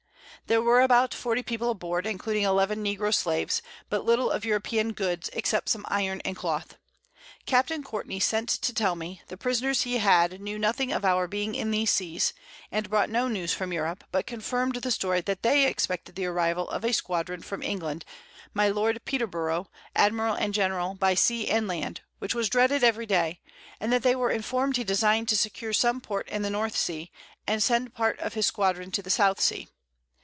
There were about 40 People aboard, including 11 Negro Slaves, but little of European Goods, except some Iron and Cloth. Captain Courtney sent to tell me, the Prisoners he had knew nothing of our being in these Seas, and brought no News from Europe, but confirm'd the Story that they expected the Arrival of a Squadron from England, my Lord Peterborough, Admiral and General, by Sea and Land, which was dreaded every Day, and that they were inform'd he design'd to secure some Port in the North Sea, and send part of his Squadron to the South Sea.